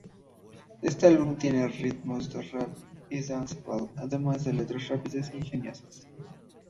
Este álbum tiene ritmos de "rap" y "dancehall", además de letras rápidas e ingeniosas.